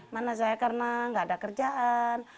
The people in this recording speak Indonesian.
mana saya karena nggak ada kerjaan